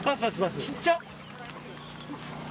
ちっちゃ！